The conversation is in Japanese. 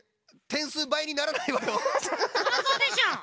そりゃそうでしょ。